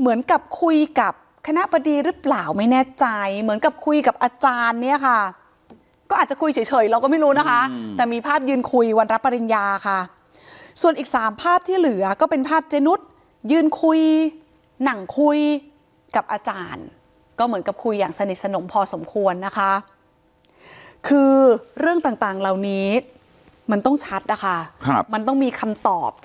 เหมือนกับคุยกับคณะบดีหรือเปล่าไม่แน่ใจเหมือนกับคุยกับอาจารย์เนี่ยค่ะก็อาจจะคุยเฉยเราก็ไม่รู้นะคะแต่มีภาพยืนคุยวันรับปริญญาค่ะส่วนอีกสามภาพที่เหลือก็เป็นภาพเจนุสยืนคุยหนังคุยกับอาจารย์ก็เหมือนกับคุยอย่างสนิทสนมพอสมควรนะคะคือเรื่องต่างเหล่านี้มันต้องชัดนะคะมันต้องมีคำตอบจ